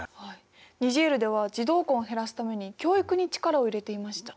ニジェールでは児童婚を減らすために教育に力を入れていました。